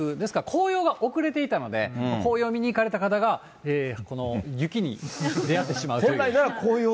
紅葉が遅れていたので、紅葉を見に行かれた方が、この雪に出会ってしまうという。